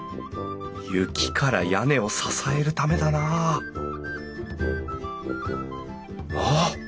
雪から屋根を支えるためだなあっ！